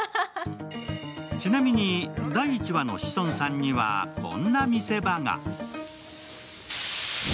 ちなみに第１話の志尊さんにはこんな見せ場が。